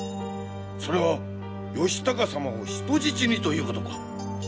それは義高様を人質にということか？